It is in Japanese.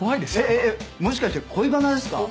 えっえっえっもしかして恋バナですか？